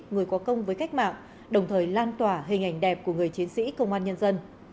người có công với cách mạng đồng thời lan tỏa hình ảnh đẹp của người chiến sĩ công an nhân dân